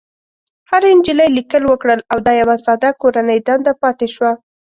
هرې نجلۍ ليکل وکړل او دا يوه ساده کورنۍ دنده پاتې شوه.